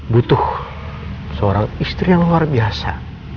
butuh seorang istri yang luar biasa